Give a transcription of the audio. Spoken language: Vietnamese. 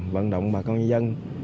vận động bà con dân